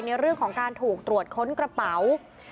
ในเรื่องของการถูกตรวจค้นกระเป๋า